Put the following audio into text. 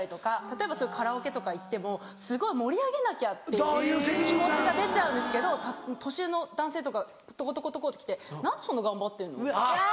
例えばそういうカラオケとか行ってもすごい盛り上げなきゃっていう気持ちが出ちゃうんですけど年上の男性とかとことことこって来て「何でそんな頑張ってんの？」。